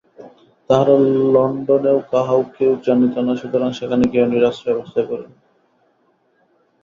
তাহারা লণ্ডনেও কাহাকেও জানিত না, সুতরাং সেখানে গিয়াও নিরাশ্রয় অবস্থায় পড়িল।